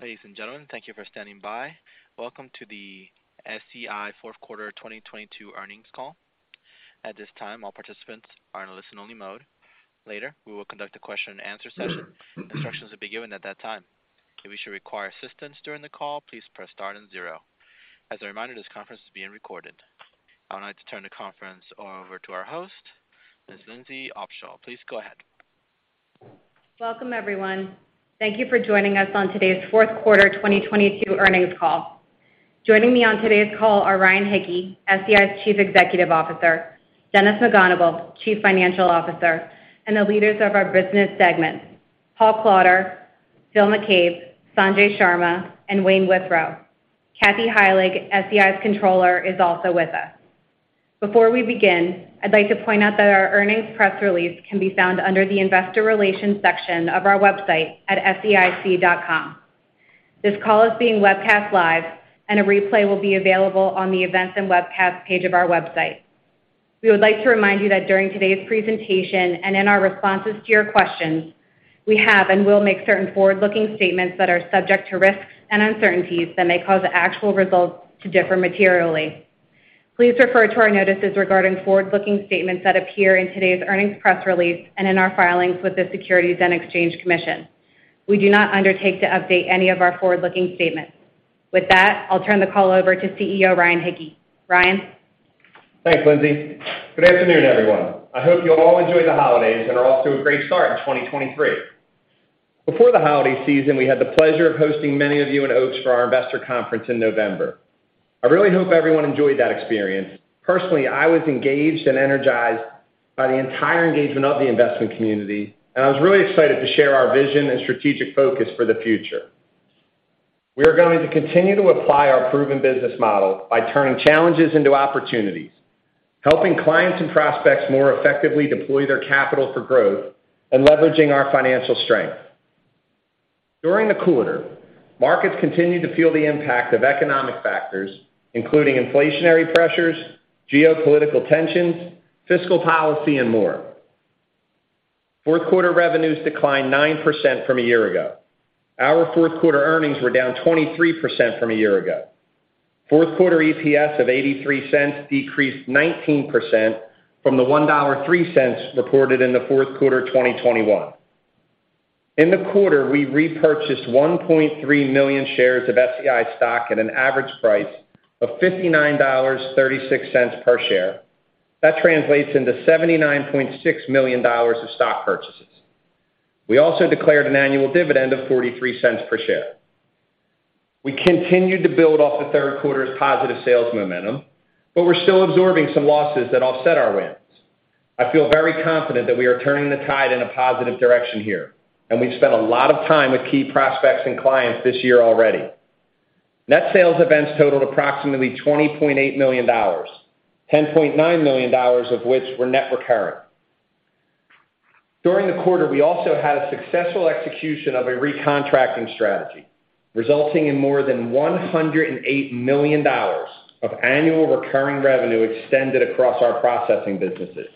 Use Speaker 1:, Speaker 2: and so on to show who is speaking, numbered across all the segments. Speaker 1: Ladies and gentlemen, thank you for standing by. Welcome to the SEI 4th quarter 2022 earnings call. At this time, all participants are in listen-only mode. Later, we will conduct a question and answer session. Instructions will be given at that time. If you should require assistance during the call, please press star and zero. As a reminder, this conference is being recorded. I'd like to turn the conference over to our host, Ms. Lindsey Opsahl. Please go ahead.
Speaker 2: Welcome, everyone. Thank you for joining us on today's 4th quarter 2022 earnings call. Joining me on today's call are Ryan Hicke, SEI's Chief Executive Officer, Dennis McGonigle, Chief Financial Officer, and the leaders of our business segment, Paul Klauder, Phil McCabe, Sanjay Sharma, and Wayne Withrow. Kathy Heilig, SEI's Controller, is also with us. Before we begin, I'd like to point out that our earnings press release can be found under the Investor Relations section of our website at seic.com. This call is being webcast live and a replay will be available on the Events and Webcasts page of our website. We would like to remind you that during today's presentation and in our responses to your questions, we have and will make certain forward-looking statements that are subject to risks and uncertainties that may cause actual results to differ materially. Please refer to our notices regarding forward-looking statements that appear in today's earnings press release and in our filings with the Securities and Exchange Commission. We do not undertake to update any of our forward-looking statements. With that, I'll turn the call over to CEO, Ryan Hicke. Ryan?
Speaker 3: Thanks Lindsey. Good afternoon, everyone. I hope you all enjoyed the holidays and are off to a great start in 2023. Before the holiday season, we had the pleasure of hosting many of you in Oaks for our investor conference in November. I really hope everyone enjoyed that experience. Personally, I was engaged and energized by the entire engagement of the investment community, I was really excited to share our vision and strategic focus for the future. We are going to continue to apply our proven business model by turning challenges into opportunities, helping clients and prospects more effectively deploy their capital for growth, and leveraging our financial strength. During the quarter, markets continued to feel the impact of economic factors, including inflationary pressures, geopolitical tensions, fiscal policy, and more. Fourth quarter revenues declined 9% from a year ago. Our 4th quarter earnings were down 23% from a year ago. Fourth quarter EPS of $0.83 decreased 19% from the $1.03 reported in the 4th quarter 2021. In the quarter, we repurchased 1.3 million shares of SEI stock at an average price of $59.36 per share. That translates into $79.6 million of stock purchases. We also declared an annual dividend of $0.43 per share. We continued to build off the 3rd quarter's positive sales momentum, we're still absorbing some losses that offset our wins. I feel very confident that we are turning the tide in a positive direction here, we've spent a lot of time with key prospects and clients this year already. Net sales events totaled approximately $20.8 million, $10.9 million of which were net recurring. During the quarter, we also had a successful execution of a recontracting strategy, resulting in more than $108 million of annual recurring revenue extended across our processing businesses.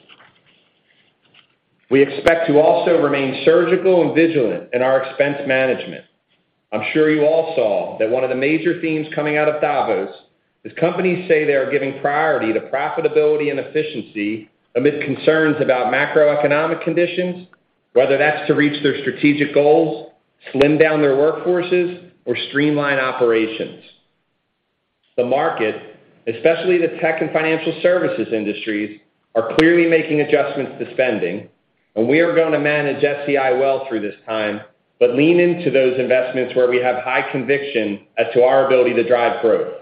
Speaker 3: We expect to also remain surgical and vigilant in our expense management. I'm sure you all saw that one of the major themes coming out of Davos is companies say they are giving priority to profitability and efficiency amid concerns about macroeconomic conditions, whether that's to reach their strategic goals, slim down their workforces, or streamline operations. The market, especially the tech and financial services industries, are clearly making adjustments to spending, and we are going to manage SEI well through this time, but lean into those investments where we have high conviction as to our ability to drive growth.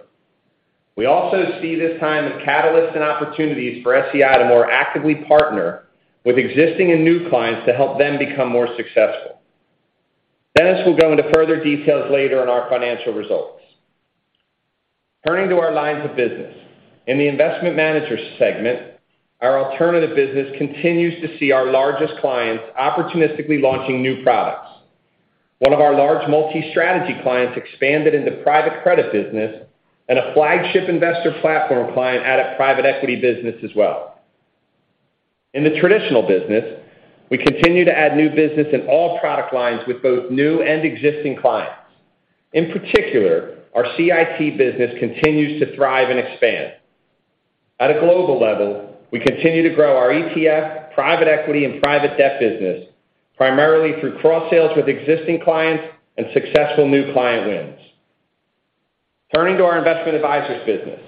Speaker 3: We also see this time as catalysts and opportunities for SEI to more actively partner with existing and new clients to help them become more successful. Dennis will go into further details later on our financial results. Turning to our lines of business. In the investment manager segment, our alternative business continues to see our largest clients opportunistically launching new products. One of our large multi-strategy clients expanded into private credit business. A flagship investor platform client added private equity business as well. In the traditional business, we continue to add new business in all product lines with both new and existing clients. In particular, our CIT business continues to thrive and expand. At a global level, we continue to grow our ETF, private equity, and private debt business primarily through cross-sales with existing clients and successful new client wins. Turning to our investment advisors business.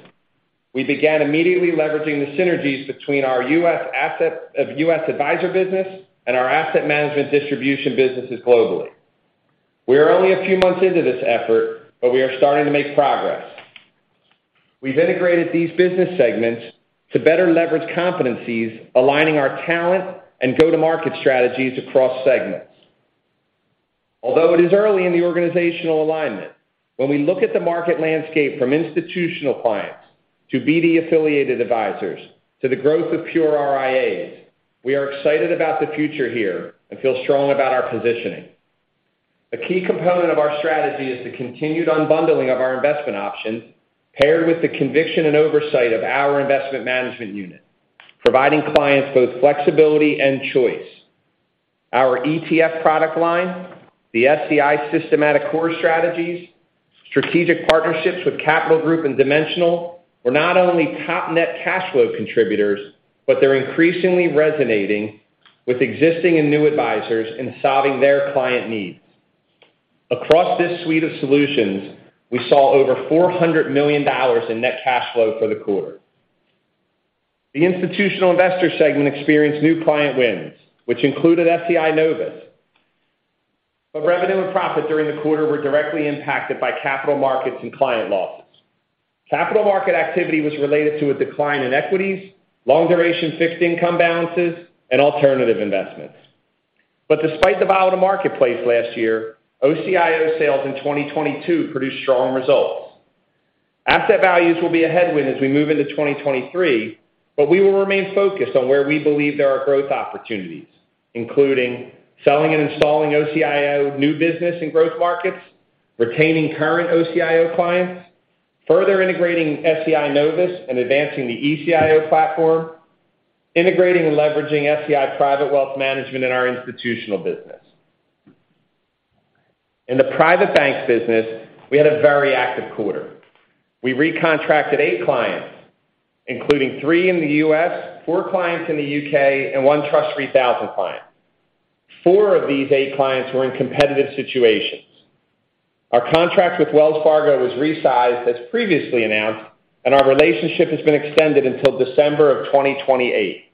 Speaker 3: We began immediately leveraging the synergies between our U.S. advisor business and our asset management distribution businesses globally. We are only a few months into this effort, but we are starting to make progress. We've integrated these business segments to better leverage competencies, aligning our talent and go-to-market strategies across segments. Although it is early in the organizational alignment, when we look at the market landscape from institutional clients to BD-affiliated advisors to the growth of pure RIAs, we are excited about the future here and feel strong about our positioning. A key component of our strategy is the continued unbundling of our investment options, paired with the conviction and oversight of our investment management unit. Providing clients both flexibility and choice. Our ETF product line, the SEI Systematic Core Strategies, strategic partnerships with Capital Group and Dimensional were not only top net cash flow contributors, but they're increasingly resonating with existing and new advisors in solving their client needs. Across this suite of solutions, we saw over $400 million in net cash flow for the quarter. The institutional investor segment experienced new client wins, which included SEI Novus. Revenue and profit during the quarter were directly impacted by capital markets and client losses. Capital market activity was related to a decline in equities, long duration fixed income balances, and alternative investments. Despite the volatile marketplace last year, OCIO sales in 2022 produced strong results. Asset values will be a headwind as we move into 2023, but we will remain focused on where we believe there are growth opportunities, including selling and installing OCIO new business in growth markets, retaining current OCIO clients, further integrating SEI Novus and advancing the ECIO platform, integrating and leveraging SEI Private Wealth Management in our institutional business. In the private bank business, we had a very active quarter. We recontracted 8 clients, including 3 in the U.S., 4 clients in the U.K., and 1 TRUST 3000 client. 4 of these 8 clients were in competitive situations. Our contract with Wells Fargo was resized as previously announced, and our relationship has been extended until December of 2028.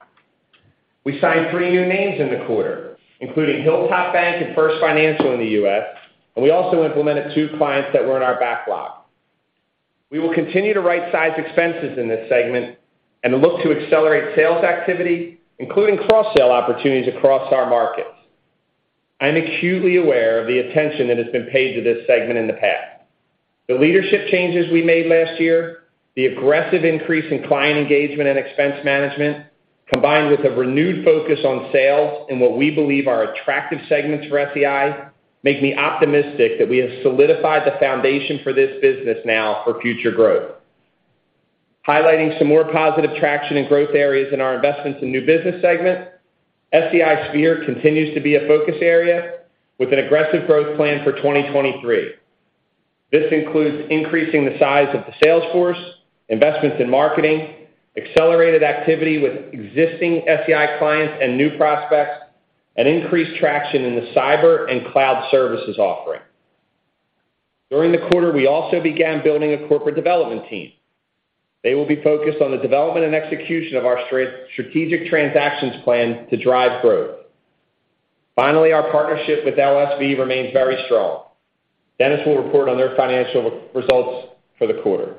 Speaker 3: We signed 3 new names in the quarter, including Hilltop Bank and First Financial in the U.S., and we also implemented 2 clients that were in our backlog. We will continue to right-size expenses in this segment and look to accelerate sales activity, including cross-sale opportunities across our markets. I'm acutely aware of the attention that has been paid to this segment in the past. The leadership changes we made last year, the aggressive increase in client engagement, and expense management, combined with a renewed focus on sales and what we believe are attractive segments for SEI, make me optimistic that we have solidified the foundation for this business now for future growth. Highlighting some more positive traction and growth areas in our investments and new business segment, SEI Sphere continues to be a focus area with an aggressive growth plan for 2023. This includes increasing the size of the sales force, investments in marketing, accelerated activity with existing SEI clients and new prospects, and increased traction in the cyber and cloud services offering. During the quarter, we also began building a corporate development team. They will be focused on the development and execution of our strategic transactions plan to drive growth. Finally, our partnership with LSV remains very strong. Dennis will report on their financial results for the quarter.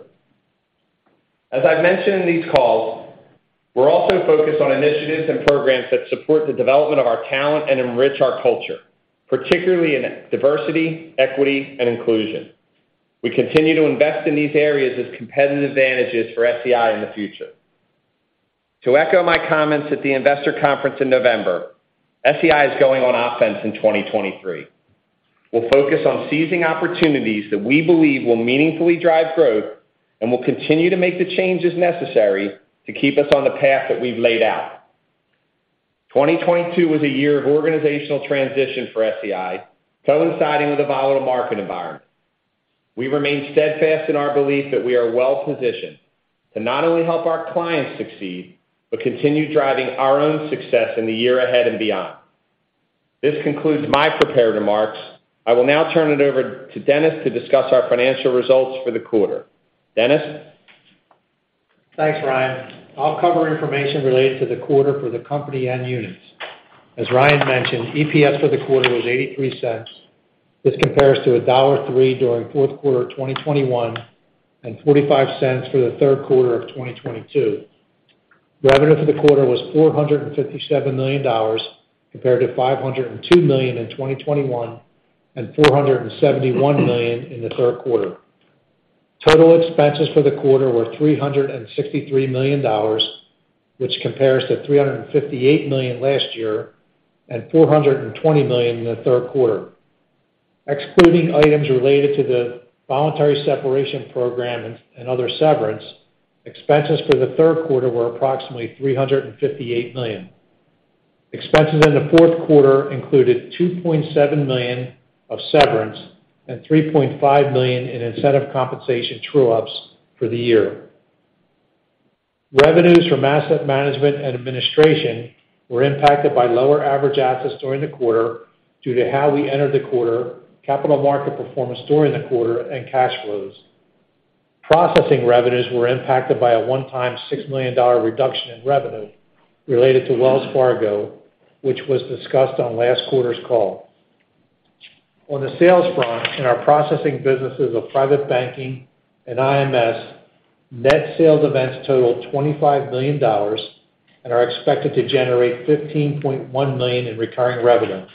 Speaker 3: As I've mentioned in these calls, we're also focused on initiatives and programs that support the development of our talent and enrich our culture, particularly in diversity, equity, and inclusion. We continue to invest in these areas as competitive advantages for SEI in the future. To echo my comments at the investor conference in November, SEI is going on offense in 2023. We'll focus on seizing opportunities that we believe will meaningfully drive growth, and we'll continue to make the changes necessary to keep us on the path that we've laid out. 2022 was a year of organizational transition for SEI, coinciding with a volatile market environment. We remain steadfast in our belief that we are well-positioned to not only help our clients succeed but continue driving our own success in the year ahead and beyond. This concludes my prepared remarks. I will now turn it over to Dennis to discuss our financial results for the quarter. Dennis?
Speaker 4: Thanks Ryan. I'll cover information related to the quarter for the company and units. As Ryan mentioned, EPS for the quarter was $0.83. This compares to $1.03 during 4th quarter of 2021 and $0.45 for the 3rd quarter of 2022. Revenue for the quarter was $457 million, compared to $502 million in 2021, and $471 million in the 3rd quarter. Total expenses for the quarter were $363 million, which compares to $358 million last year and $420 million in the 3rd quarter. Excluding items related to the voluntary separation program and other severance, expenses for the 3rd quarter were approximately $358 million. Expenses in the 4th quarter included $2.7 million of severance and $3.5 million in incentive compensation true ups for the year. Revenues from asset management and administration were impacted by lower average assets during the quarter due to how we entered the quarter, capital market performance during the quarter, and cash flows. Processing revenues were impacted by a one-time $6 million reduction in revenue related to Wells Fargo, which was discussed on last quarter's call. On the sales front, in our processing businesses of Private Banking and IMS, net sales events totaled $25 million and are expected to generate $15.1 million in recurring revenue.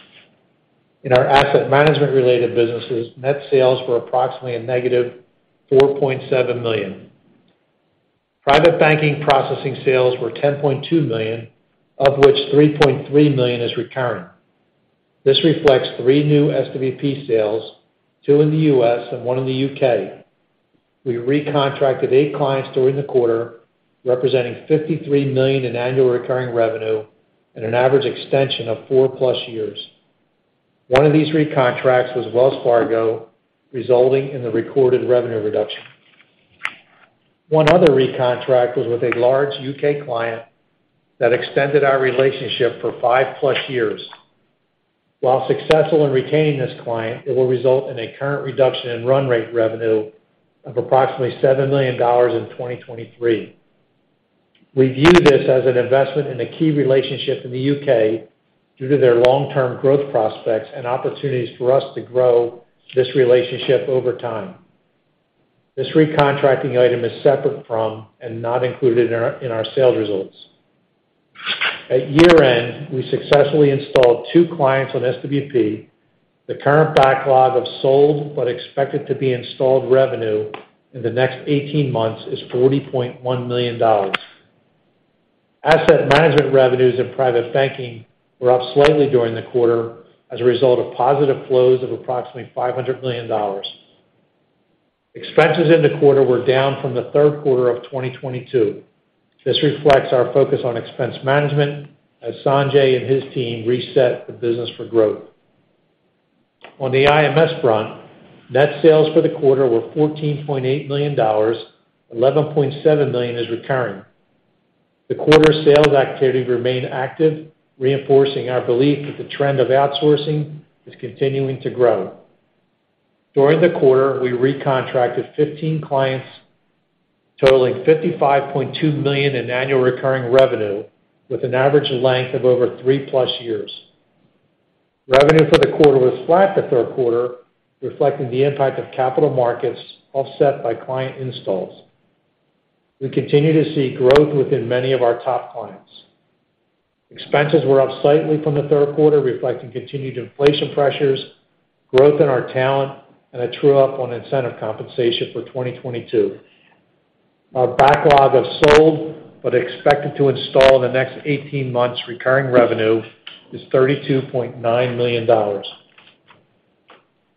Speaker 4: In our asset management-related businesses, net sales were approximately a negative $4.7 million. Private banking processing sales were $10.2 million, of which $3.3 million is recurring. This reflects three new SWP sales, two in the U.S. and one in the U.K. We recontracted 8 clients during the quarter, representing $53 million in annual recurring revenue and an average extension of 4+ years. One of these recontracts was Wells Fargo, resulting in the recorded revenue reduction. One other recontract was with a large U.K. client that extended our relationship for 5+ years. While successful in retaining this client, it will result in a current reduction in run rate revenue of approximately $7 million in 2023. We view this as an investment in a key relationship in the U.K. due to their long-term growth prospects and opportunities for us to grow this relationship over time. This recontracting item is separate from and not included in our sales results. At year-end, we successfully installed two clients on SWP. The current backlog of sold but expected to be installed revenue in the next 18 months is $40.1 million. Asset management revenues and private banking were up slightly during the quarter as a result of positive flows of approximately $500 million. Expenses in the quarter were down from the 3rd quarter of 2022. This reflects our focus on expense management as Sanjay and his team reset the business for growth. On the IMS front, net sales for the quarter were $14.8 million, $11.7 million is recurring. The quarter sales activity remained active, reinforcing our belief that the trend of outsourcing is continuing to grow. During the quarter, we recontracted 15 clients totaling $55.2 million in annual recurring revenue with an average length of over 3+ years. Revenue for the quarter was flat to 3rd quarter, reflecting the impact of capital markets offset by client installs. We continue to see growth within many of our top clients. Expenses were up slightly from the 3rd quarter, reflecting continued inflation pressures, growth in our talent, and a true-up on incentive compensation for 2022. Our backlog of sold but expected to install in the next 18 months recurring revenue is $32.9 million.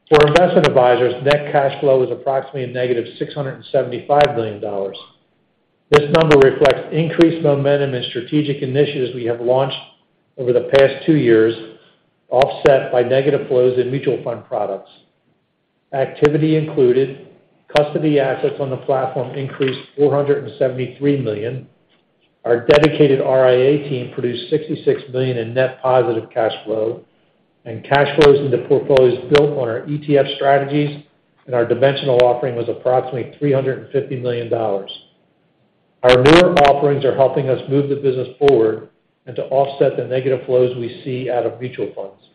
Speaker 4: For investment advisors, net cash flow is approximately a negative $675 million. This number reflects increased momentum in strategic initiatives we have launched over the past 2 years, offset by negative flows in mutual fund products. Activity included custody assets on the platform increased $473 million. Our dedicated RIA team produced $66 million in net positive cash flow. Cash flows into portfolios built on our ETF strategies and our Dimensional offering was approximately $350 million. Our newer offerings are helping us move the business forward and to offset the negative flows we see out of mutual funds.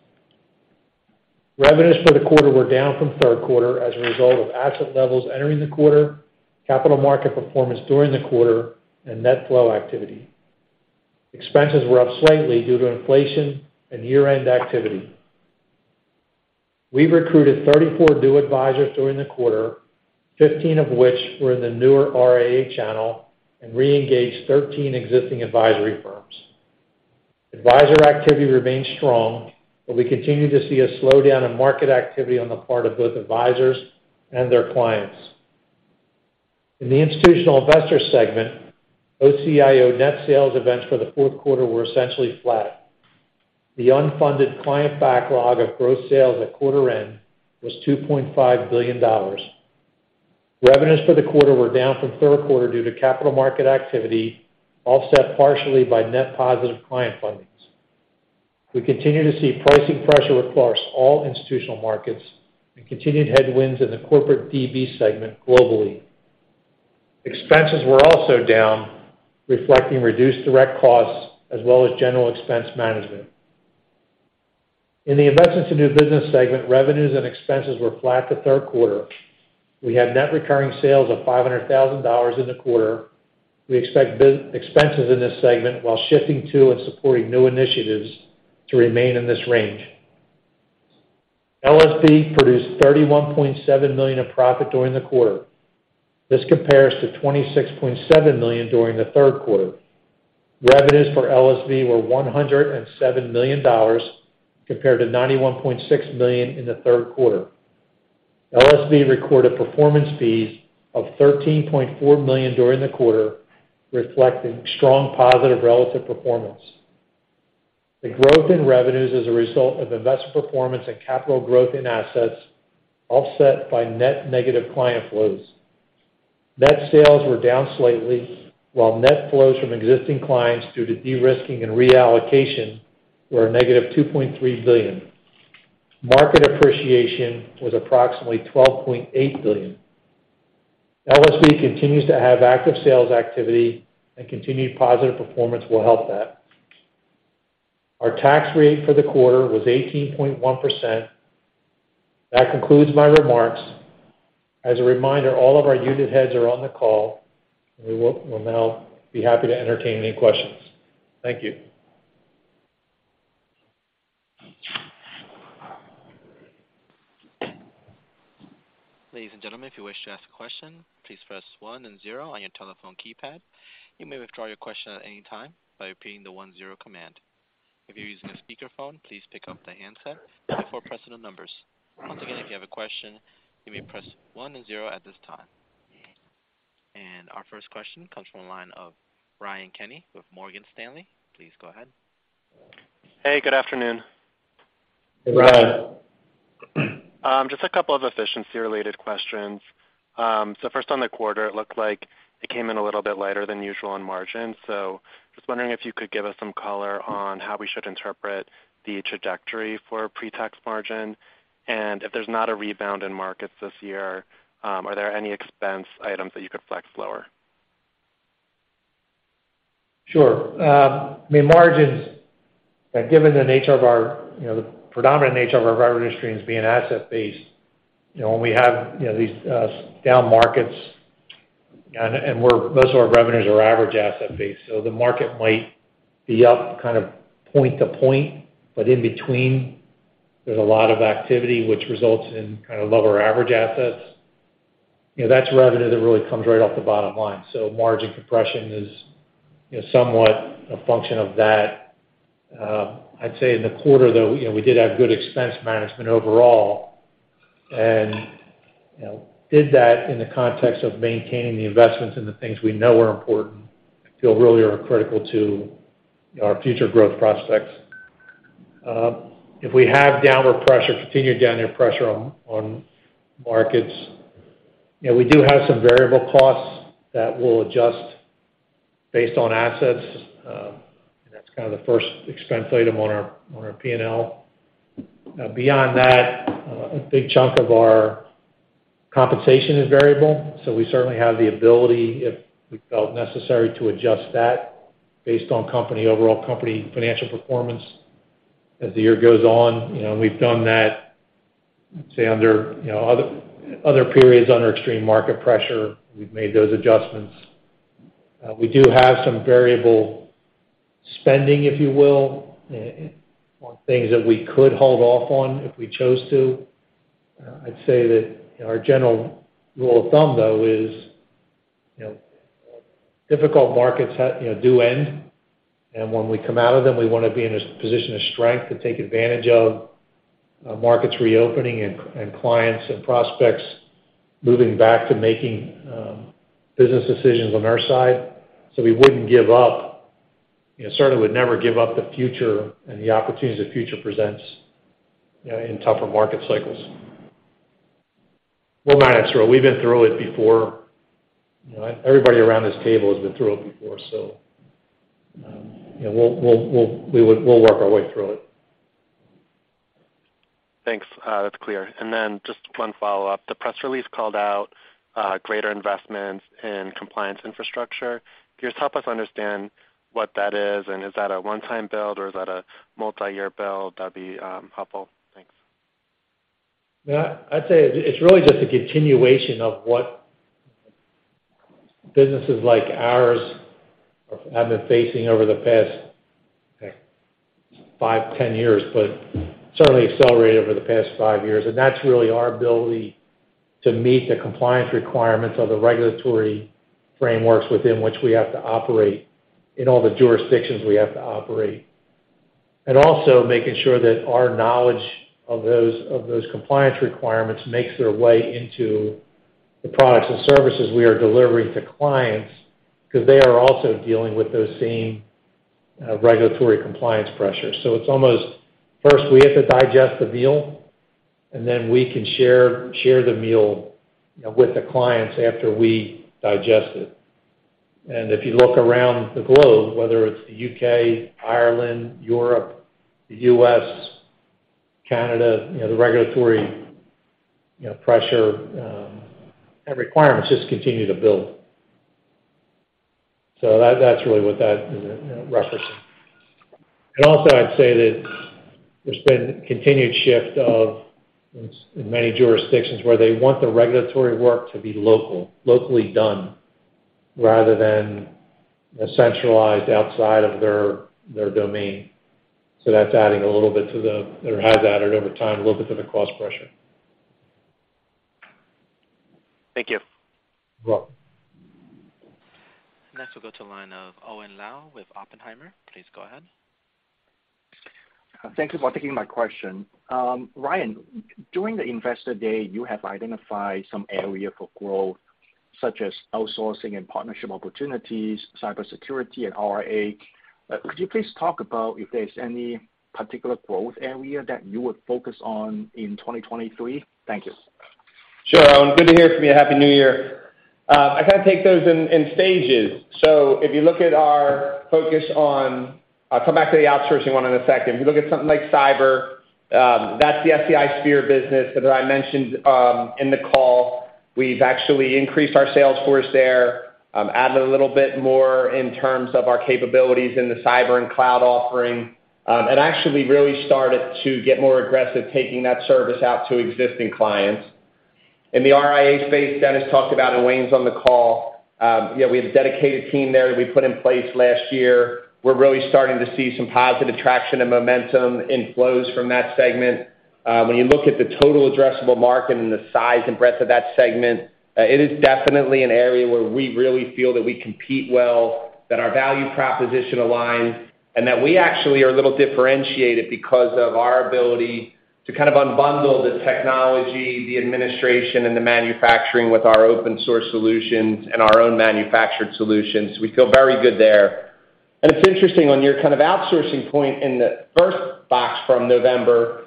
Speaker 4: Revenues for the quarter were down from 3rd quarter as a result of asset levels entering the quarter, capital market performance during the quarter, and net flow activity. Expenses were up slightly due to inflation and year-end activity. We recruited 34 new advisors during the quarter, 15 of which were in the newer RIA channel, and re-engaged 13 existing advisory firms. Advisor activity remains strong. We continue to see a slowdown in market activity on the part of both advisors and their clients. In the institutional investor segment, OCIO net sales events for the 4th quarter were essentially flat. The unfunded client backlog of gross sales at quarter end was $2.5 billion. Revenues for the quarter were down from 3rd quarter due to capital market activity, offset partially by net positive client fundings. We continue to see pricing pressure across all institutional markets and continued headwinds in the corporate DB segment globally. Expenses were also down, reflecting reduced direct costs as well as general expense management. In the Investments and New Business segment, revenues and expenses were flat to 3rd quarter. We had net recurring sales of $500,000 in the quarter. We expect expenses in this segment while shifting to and supporting new initiatives to remain in this range. LSV produced $31.7 million of profit during the quarter. This compares to $26.7 million during the 3rd quarter. Revenues for LSV were $107 million compared to $91.6 million in the 3rd quarter. LSV recorded performance fees of $13.4 million during the quarter, reflecting strong positive relative performance. The growth in revenues is a result of investment performance and capital growth in assets offset by net negative client flows. Net sales were down slightly, while net flows from existing clients due to de-risking and reallocation were a negative $2.3 billion. Market appreciation was approximately $12.8 billion. LSV continues to have active sales activity, and continued positive performance will help that. Our tax rate for the quarter was 18.1%. That concludes my remarks. As a reminder, all of our unit heads are on the call. We will now be happy to entertain any questions. Thank you.
Speaker 1: Ladies and gentlemen, if you wish to ask a question, please press one and zero on your telephone keypad. You may withdraw your question at any time by repeating the 1-0 command. If you're using a speakerphone, please pick up the handset before pressing the numbers. Once again, if you have a question, you may press one and zero at this time. Our first question comes from the line of Ryan Kenny with Morgan Stanley. Please go ahead.
Speaker 5: Hey, good afternoon.
Speaker 4: Hey, Ryan.
Speaker 5: Just a couple of efficiency-related questions. First on the quarter, it looked like it came in a little bit lighter than usual on margin. Just wondering if you could give us some color on how we should interpret the trajectory for a pre-tax margin, and if there's not a rebound in markets this year, are there any expense items that you could flex lower?
Speaker 4: Sure. I mean, margins, given the nature of our, you know, the predominant nature of our revenue streams being asset-based, you know, when we have, you know, these down markets, and most of our revenues are average asset-based, so the market might be up kind of point to point, but in between, there's a lot of activity which results in kind of lower average assets. You know, that's revenue that really comes right off the bottom line. Margin compression is, you know, somewhat a function of that. I'd say in the quarter, though, you know, we did have good expense management overall and, you know, did that in the context of maintaining the investments in the things we know are important. I feel really are critical to our future growth prospects. If we have downward pressure, continued downward pressure on markets, you know, we do have some variable costs that will adjust based on assets. That's kind of the first expense item on our P&L. Beyond that, a big chunk of our compensation is variable. We certainly have the ability, if we felt necessary to adjust that based on overall company financial performance as the year goes on. You know, we've done that, say, under, you know, other periods under extreme market pressure. We've made those adjustments. We do have some variable spending, if you will, on things that we could hold off on if we chose to. I'd say that our general rule of thumb, though, is, you know, difficult markets you know, do end. When we come out of them, we wanna be in a position of strength to take advantage of markets reopening and clients and prospects moving back to making business decisions on our side. We wouldn't give up, you know, certainly would never give up the future and the opportunities the future presents, you know, in tougher market cycles. We'll manage through it. We've been through it before. You know, everybody around this table has been through it before. We'll work our way through it.
Speaker 5: Thanks. That's clear. Just one follow-up. The press release called out, greater investments in compliance infrastructure. Can you just help us understand what that is, and is that a one-time build or is that a multi-year build? That'd be helpful. Thanks.
Speaker 4: Yeah. I'd say it's really just a continuation of what businesses like ours have been facing over the past five, 10 years, but certainly accelerated over the past 5 years. That's really our ability to meet the compliance requirements of the regulatory frameworks within which we have to operate in all the jurisdictions we have to operate. Also making sure that our knowledge of those compliance requirements makes their way into the products and services we are delivering to clients, because they are also dealing with those same regulatory compliance pressures. It's almost first we have to digest the meal, and then we can share the meal, you know, with the clients after we digest it. If you look around the globe, whether it's the UK, Ireland, Europe, the US, Canada, you know, the regulatory, you know, pressure, and requirements just continue to build. That, that's really what that, you know, references. Also I'd say that there's been continued shift of, in many jurisdictions, where they want the regulatory work to be local, locally done rather than centralized outside of their domain. That's adding a little bit to the, or has added over time, a little bit to the cost pressure.
Speaker 5: Thank you.
Speaker 4: You're welcome.
Speaker 1: Next we'll go to line of Owen Lau with Oppenheimer. Please go ahead.
Speaker 6: Thank you for taking my question. Ryan, during the Investor Day, you have identified some area for growth, such as outsourcing and partnership opportunities, cybersecurity and RIA. Could you please talk about if there's any particular growth area that you would focus on in 2023? Thank you.
Speaker 3: Sure. Good to hear from you. Happy New Year. I kind of take those in stages. If you look at our focus on. I'll come back to the outsourcing one in a second. If you look at something like cyber, that's the SEI Sphere business that I mentioned, in the call. We've actually increased our sales force there, added a little bit more in terms of our capabilities in the cyber and cloud offering, and actually really started to get more aggressive taking that service out to existing clients. In the RIA space, Dennis talked about, and Wayne's on the call. Yeah, we have a dedicated team there that we put in place last year. We're really starting to see some positive traction and momentum in flows from that segment. When you look at the total addressable market and the size and breadth of that segment, it is definitely an area where we really feel that we compete well, that our value proposition aligns, and that we actually are a little differentiated because of our ability to kind of unbundle the technology, the administration, and the manufacturing with our open source solutions and our own manufactured solutions. We feel very good there. It's interesting on your kind of outsourcing point in the first box from November,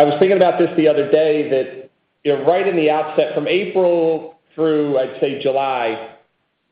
Speaker 3: I was thinking about this the other day that, you know, right in the outset from April through, I'd say July,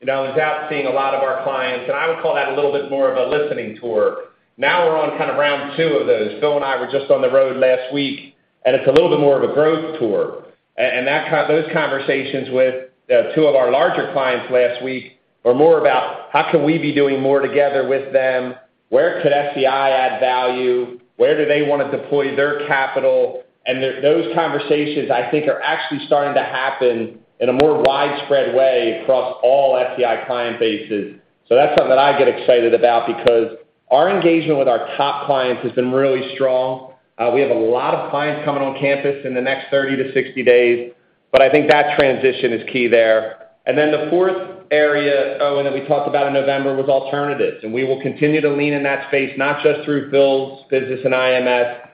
Speaker 3: and I was out seeing a lot of our clients, and I would call that a little bit more of a listening tour. Now we're on kind of round 2 of those. Bill and I were just on the road last week, and it's a little bit more of a growth tour. Those conversations with 2 of our larger clients last week are more about how can we be doing more together with them? Where could SEI add value? Where do they wanna deploy their capital? Those conversations, I think, are actually starting to happen in a more widespread way across all SEI client bases. That's something that I get excited about because our engagement with our top clients has been really strong. We have a lot of clients coming on campus in the next 30-60 days, but I think that transition is key there. The fourth area, Owen, that we talked about in November was alternatives. We will continue to lean in that space, not just through Bill's business in IMS,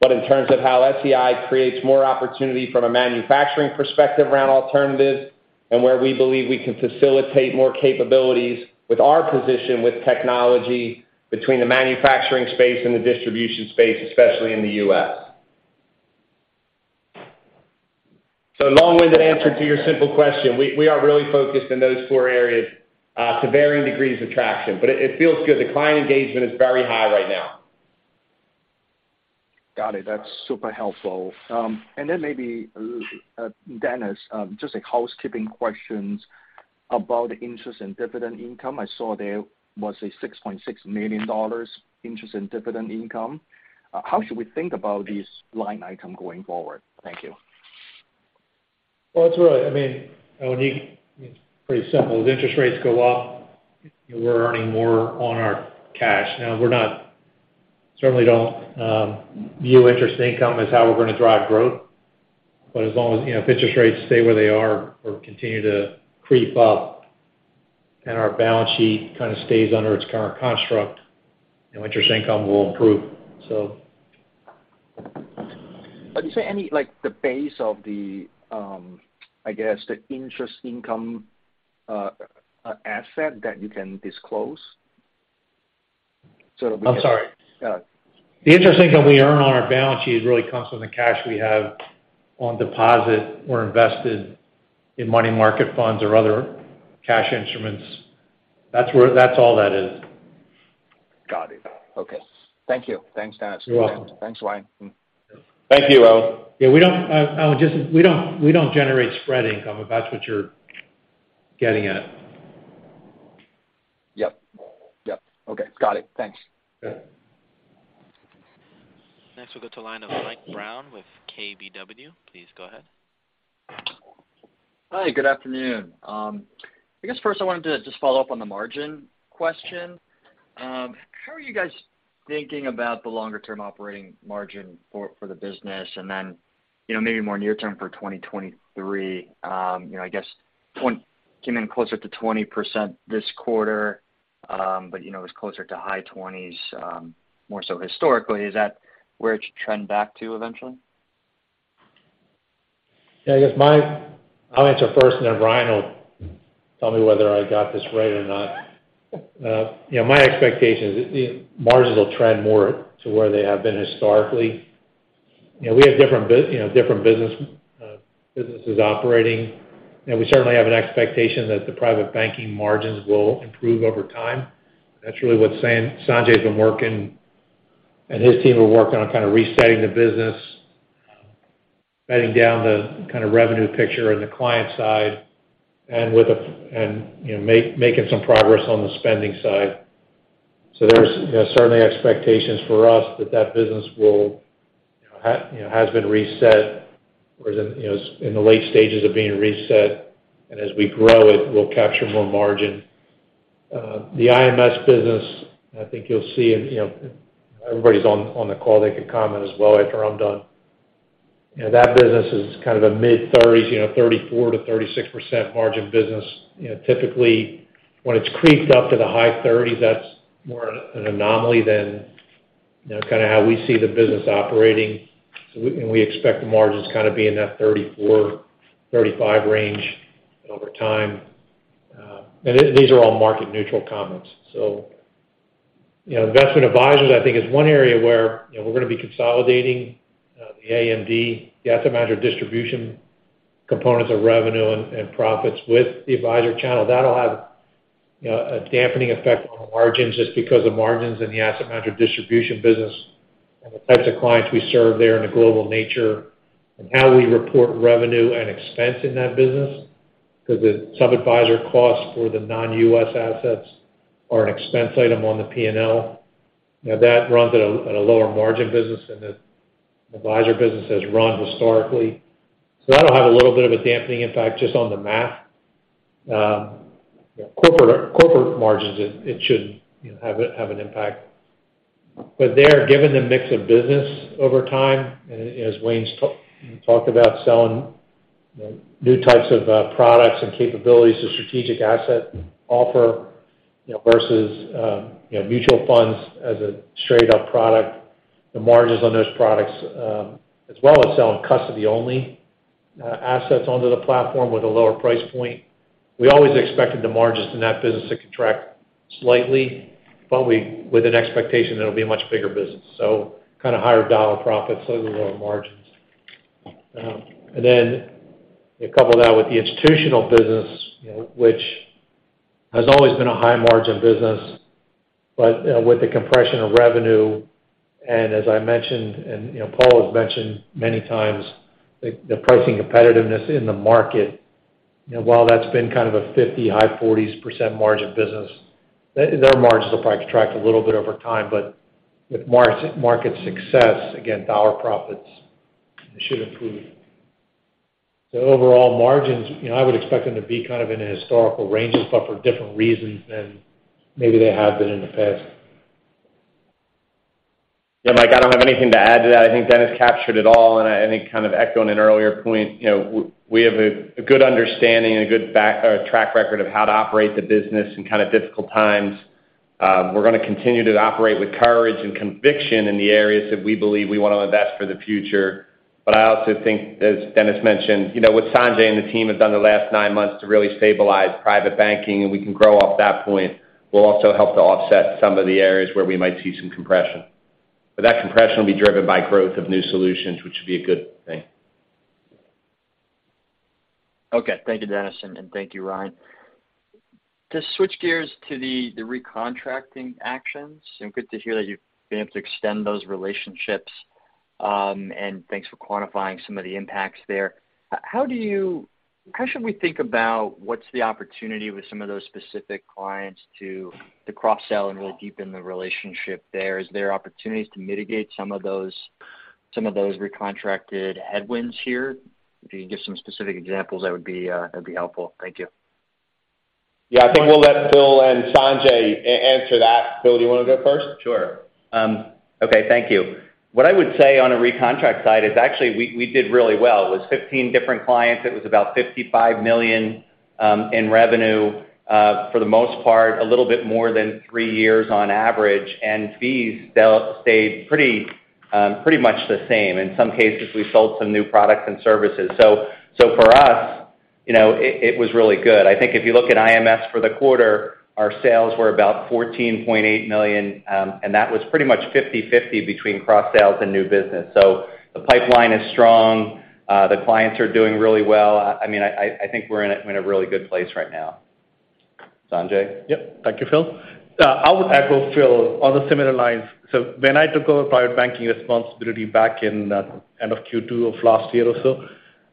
Speaker 3: but in terms of how SEI creates more opportunity from a manufacturing perspective around alternatives and where we believe we can facilitate more capabilities with our position with technology between the manufacturing space and the distribution space, especially in the U.S. Long-winded answer to your simple question. We are really focused in those 4 areas to varying degrees of traction. It feels good. The client engagement is very high right now.
Speaker 6: Got it. That's super helpful. Then maybe, Dennis, just like housekeeping questions about interest and dividend income. I saw there was a $6.6 million interest and dividend income. How should we think about this line item going forward? Thank you.
Speaker 4: Well, it's really, I mean, Owen, it's pretty simple. As interest rates go up, we're earning more on our cash. Now we're not, certainly don't view interest income as how we're gonna drive growth. As long as, you know, if interest rates stay where they are or continue to creep up and our balance sheet kind of stays under its current construct, you know, interest income will improve.
Speaker 6: Is there any, like, the base of the, I guess, the interest income, asset that you can disclose?
Speaker 4: I'm sorry.
Speaker 6: Yeah.
Speaker 4: The interest income we earn on our balance sheet really comes from the cash we have on deposit or invested in money market funds or other cash instruments. That's all that is.
Speaker 6: Got it. Okay. Thank you. Thanks, Dennis.
Speaker 4: You're welcome.
Speaker 6: Thanks, Ryan.
Speaker 3: Thank you, Owen.
Speaker 4: Yeah, we don't, Owen, just we don't, we don't generate spread income, if that's what you're getting at.
Speaker 6: Yep. Yep. Okay. Got it. Thanks.
Speaker 4: Yeah.
Speaker 1: Next we'll go to line of Mike Brown with KBW. Please go ahead.
Speaker 7: Hi, good afternoon. I guess first I wanted to just follow up on the margin question. How are you guys thinking about the longer term operating margin for the business? Then, you know, maybe more near term for 2023, you know, I guess, point came in closer to 20% this quarter, but, you know, it was closer to high 20s, more so historically. Is that where it should trend back to eventually?
Speaker 4: Yeah, I guess I'll answer first, and then Ryan will tell me whether I got this right or not. You know, my expectation is that the margins will trend more to where they have been historically. You know, we have different, you know, different business, businesses operating. You know, we certainly have an expectation that the Private Banking margins will improve over time. That's really what Sanjay's been working, and his team are working on kind of resetting the business, bedding down the kind of revenue picture on the client side and, you know, making some progress on the spending side. There's, you know, certainly expectations for us that that business will, you know, has been reset, or is in, you know, in the late stages of being reset. As we grow it, we'll capture more margin. The IMS business, I think you'll see, and, you know, everybody's on the call, they can comment as well after I'm done. You know, that business is kind of a mid-30s, you know, 34%-36% margin business. You know, typically, when it's creeped up to the high 30s, that's more an anomaly than, you know, kind of how we see the business operating. We expect the margins kind of be in that 34-35 range over time. These are all market neutral comments. You know, investment advisors, I think, is one area where, you know, we're gonna be consolidating the AMD, the asset manager distribution components of revenue and profits with the advisor channel. That'll have, you know, a dampening effect on the margins just because of margins in the asset manager distribution business and the types of clients we serve there in a global nature and how we report revenue and expense in that business. 'Cause the sub-advisor costs for the non-US assets are an expense item on the P&L. That runs at a, at a lower margin business than the Advisor business has run historically. That'll have a little bit of a dampening impact just on the math. Corporate margins, it shouldn't have an impact. There, given the mix of business over time, as Wayne's talked about selling new types of products and capabilities to strategic asset offer, you know, versus, you know, mutual funds as a straight up product, the margins on those products, as well as selling custody-only assets onto the platform with a lower price point. We always expected the margins in that business to contract slightly, but with an expectation that it'll be a much bigger business. Kind of higher dollar profits, slightly lower margins. You couple that with the institutional business, you know, which has always been a high margin business. With the compression of revenue, and as I mentioned, and, you know, Paul Klauder has mentioned many times, the pricing competitiveness in the market, you know, while that's been kind of a 50%, high 40s% margin business, their margins will probably contract a little bit over time. With market success, again, dollar profits should improve. Overall margins, you know, I would expect them to be kind of in the historical ranges, but for different reasons than maybe they have been in the past.
Speaker 3: Yeah, Mike, I don't have anything to add to that. I think Dennis captured it all, and I think kind of echoing an earlier point. You know, we have a good understanding and a good track record of how to operate the business in kind of difficult times. We're gonna continue to operate with courage and conviction in the areas that we believe we want to invest for the future. I also think, as Dennis mentioned, you know, what Sanjay and the team have done the last 9 months to really stabilize private banking, and we can grow off that point, will also help to offset some of the areas where we might see some compression. That compression will be driven by growth of new solutions, which would be a good thing.
Speaker 7: Okay. Thank you, Dennis, and thank you, Ryan. To switch gears to the recontracting actions, good to hear that you've been able to extend those relationships. Thanks for quantifying some of the impacts there. How should we think about what's the opportunity with some of those specific clients to cross-sell and really deepen the relationship there? Is there opportunities to mitigate some of those recontracted headwinds here? If you can give some specific examples, that would be, that'd be helpful. Thank you.
Speaker 3: Yeah. I think we'll let Phil and Sanjay answer that. Phil, do you wanna go first?
Speaker 8: Sure. Okay, thank you. What I would say on a recontract side is actually we did really well. It was 15 different clients. It was about $55 million in revenue. For the most part, a little bit more than 3 years on average, and fees still stayed pretty much the same. In some cases, we sold some new products and services. For us, you know, it was really good. I think if you look at IMS for the quarter, our sales were about $14.8 million, and that was pretty much 50/50 between cross-sales and new business. The pipeline is strong. The clients are doing really well. I mean, I think we're in a really good place right now. Sanjay?
Speaker 9: Yep. Thank you, Phil. I would echo Phil on the similar lines. When I took over Private Banking responsibility back in, end of Q2 of last year or so,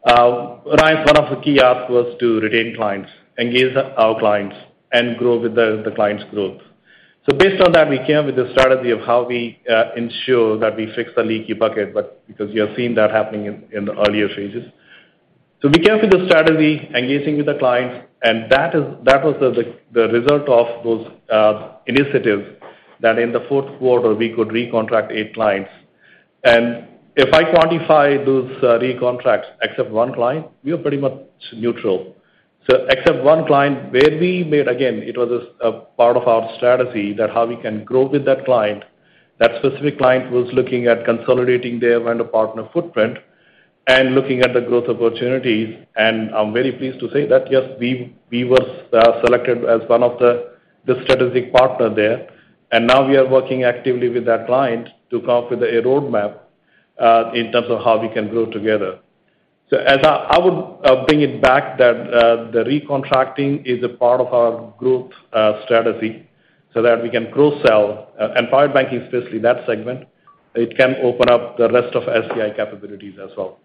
Speaker 9: one of the key asks was to retain clients, engage our clients, and grow with the clients' growth. Based on that, we came up with a strategy of how we ensure that we fix the leaky bucket, but because you have seen that happening in the earlier phases. We came up with a strategy engaging with the clients, and that was the result of those initiatives that in the 4th quarter we could recontract 8 clients. If I quantify those recontracts, except one client, we are pretty much neutral. Except one client where we made, again, it was a part of our strategy that how we can grow with that client. That specific client was looking at consolidating their vendor partner footprint and looking at the growth opportunities. I'm very pleased to say that, yes, we were selected as one of the strategic partner there. Now we are working actively with that client to come up with a roadmap in terms of how we can grow together. As I would bring it back that the recontracting is a part of our growth strategy, so that we can cross-sell, and private banking especially that segment, it can open up the rest of SEI capabilities as well.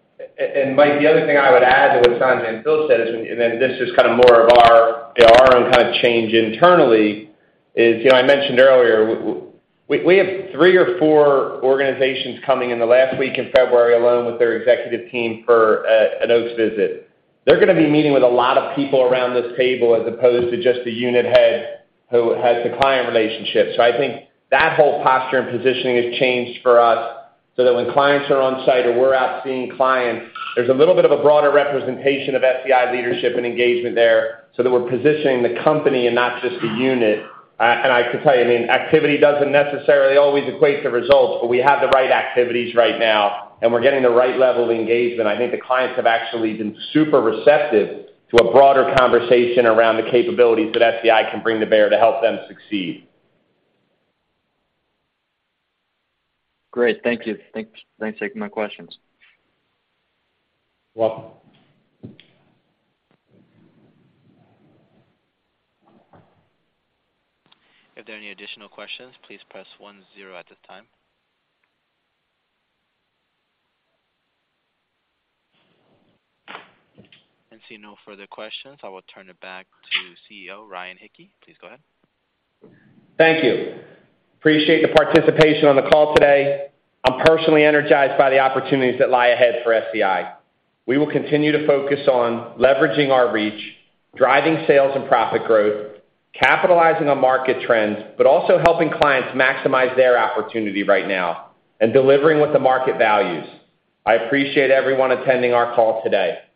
Speaker 3: Mike, the other thing I would add to what Sanjay and Phil said is, then this is kind of more of our, you know, our own kind of change internally, is, you know, I mentioned earlier we have 3 or 4 organizations coming in the last week in February alone with their executive team for an Oaks visit. They're gonna be meeting with a lot of people around this table as opposed to just the unit head who has the client relationship. I think that whole posture and positioning has changed for us, so that when clients are on site or we're out seeing clients, there's a little bit of a broader representation of SEI leadership and engagement there, so that we're positioning the company and not just the unit. I can tell you, I mean, activity doesn't necessarily always equate to results, but we have the right activities right now, and we're getting the right level of engagement. I think the clients have actually been super receptive to a broader conversation around the capabilities that SEI can bring to bear to help them succeed.
Speaker 7: Great. Thank you. Thanks. Thanks for taking my questions.
Speaker 3: Welcome.
Speaker 1: If there are any additional questions, please press one zero at this time. I see no further questions. I will turn it back to CEO, Ryan Hicke. Please go ahead.
Speaker 3: Thank you. Appreciate the participation on the call today. I'm personally energized by the opportunities that lie ahead for SEI. We will continue to focus on leveraging our reach, driving sales and profit growth, capitalizing on market trends, but also helping clients maximize their opportunity right now and delivering what the market values. I appreciate everyone attending our call today. Thanks.